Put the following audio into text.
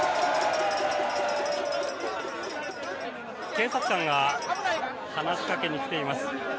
警察官が話しかけに来ています。